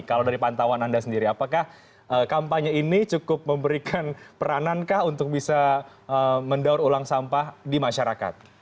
kalau dari pantauan anda sendiri apakah kampanye ini cukup memberikan peranan kah untuk bisa mendaur ulang sampah di masyarakat